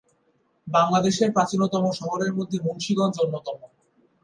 বাংলাদেশের প্রাচীনতম শহরের মধ্যে মুন্সিগঞ্জ অন্যতম।